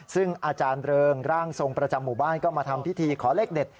ซึ่งอาจารย์เริงร่างทรงประจำหมู่บ้านก็มาทำพิธีขอเลขเด็ด